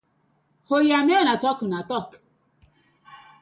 Oya mek una talk una talk.